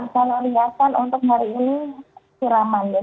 kalau kriasan untuk hari ini siraman ya